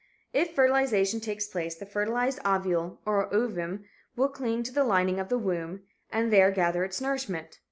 If fertilization takes place, the fertilized ovule or ovum will cling to the lining of the womb and there gather its nourishment.